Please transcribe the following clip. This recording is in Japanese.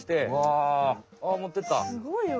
すごいわ。